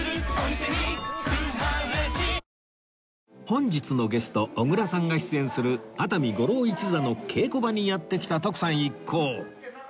本日のゲスト小倉さんが出演する熱海五郎一座の稽古場にやって来た徳さん一行